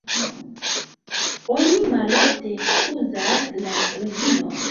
Oni malofte uzas la lignon.